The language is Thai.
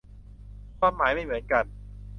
ความหมายไม่เหมือนกัน